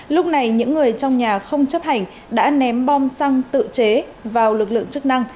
lúc này những người trong nhà không chấp hành đã ném bom xăng tự chế vào lực lượng chức năng